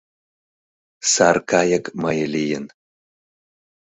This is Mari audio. — Сар кайык мые лийын